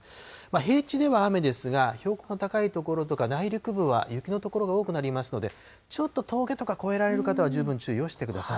平地では雨ですが、標高の高い所とか内陸部は雪の所が多くなりますので、ちょっと峠とか越えられる方は十分注意をしてください。